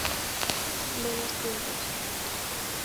Buenos tiempos.